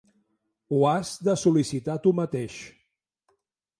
Ho has de sol·licitar tu mateix